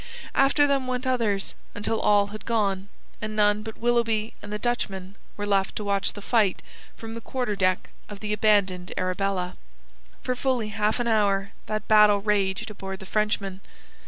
After them went others, until all had gone, and none but Willoughby and the Dutchman were left to watch the fight from the quarter deck of the abandoned Arabella. For fully half an hour that battle raged aboard the Frenchman.